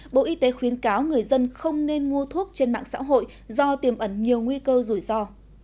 bộ y tế khuyến cáo người dân không nên mua thuốc trên mạng xã hội do tiềm ẩn nhiều nguy cơ rủi ro